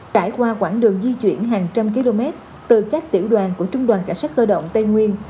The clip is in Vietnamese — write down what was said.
trải qua quãng đường di chuyển hàng trăm km từ các tiểu đoàn của trung đoàn cảnh sát cơ động tây nguyên